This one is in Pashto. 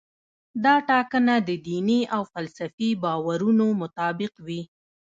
دا ټاکنه د دیني او فلسفي باورونو مطابق وي.